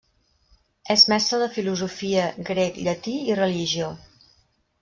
És mestre de filosofia, grec, llatí i religió.